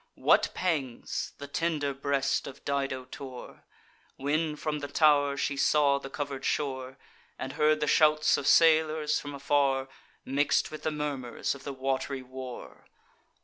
What pangs the tender breast of Dido tore, When, from the tow'r, she saw the cover'd shore, And heard the shouts of sailors from afar, Mix'd with the murmurs of the wat'ry war!